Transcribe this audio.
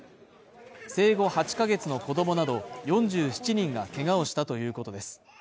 生後８か月の子供など４７人がけがをしたということです。